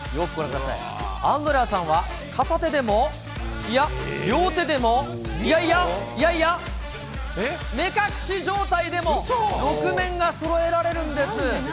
アンドレアさんは片手でも、いや、両手でも、いやいや、いやいや、目隠し状態でも、６面がそろえられるんです。